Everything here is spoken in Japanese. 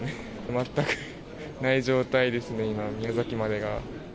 全くない状態ですね、今、宮崎までが。